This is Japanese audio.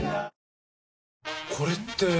これって。